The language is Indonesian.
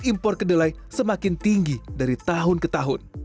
impor kedelai semakin tinggi dari tahun ke tahun